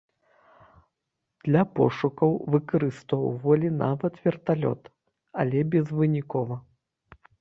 Для пошукаў выкарыстоўвалі нават верталёт, але безвынікова.